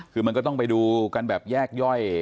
คือมันก็ต้องไปดูกันแบบแยกย่อย